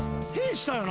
したよな？